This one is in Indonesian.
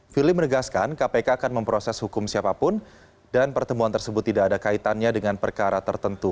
firly menegaskan kpk akan memproses hukum siapapun dan pertemuan tersebut tidak ada kaitannya dengan perkara tertentu